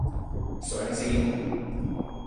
上線